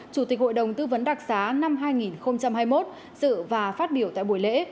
chủ tịch hội đồng tư vấn đặc xá năm hai nghìn hai mươi một dự và phát biểu tại buổi lễ